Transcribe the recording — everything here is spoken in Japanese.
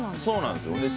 そうなんですよ。